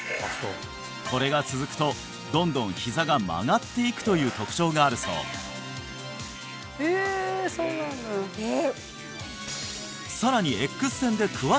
これが続くとどんどんひざが曲がっていくという特徴があるそうえそうなんだえ？